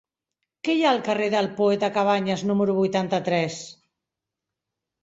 Què hi ha al carrer del Poeta Cabanyes número vuitanta-tres?